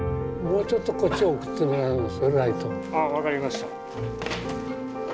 ・あ分かりました。